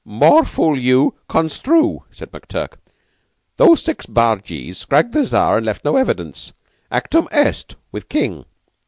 "More fool you! Construe," said McTurk. "Those six bargees scragged the Czar, and left no evidence. Actum est with King."